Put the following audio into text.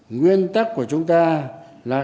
nguyên tắc của chúng ta là